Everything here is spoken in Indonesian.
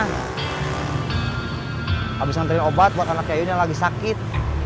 habis nganterin obat buat anaknya yuyun yang lagi sakit